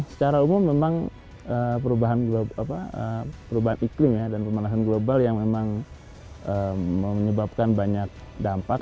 secara umum memang perubahan iklim dan pemanasan global yang memang menyebabkan banyak dampak